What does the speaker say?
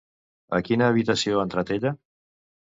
A quina habitació ha entrat ella?